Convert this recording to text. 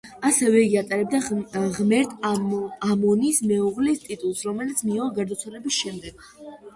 ასევე იგი ატარებდა „ღმერთ ამონის მეუღლის“ ტიტულს, რომელიც მიიღო გარდაცვალების შემდეგ.